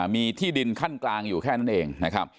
มีที่ดินขั้นกลางอยู่แค่นั้นเองนะครับ